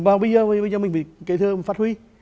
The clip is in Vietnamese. và bây giờ mình phải kể thơ phát huy